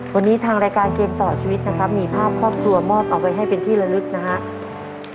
วันนี้ทางรายการเกมต่อชีวิตนะครับมีภาพครอบครัวมอบเอาไว้ให้เป็นที่ละลึกนะครับ